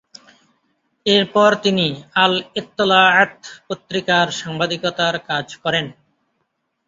এরপর তিনি আল-এত্তেলা'আত পত্রিকার সাংবাদিকতার কাজ করেন।